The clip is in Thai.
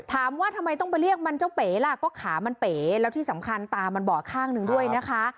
ถามว่าทำไมต้องไปเรียกมันเจ้าเป๋ล่ะก็ขามันเป๋แล้วที่สำคัญตามันบอดข้างหนึ่งด้วยนะคะ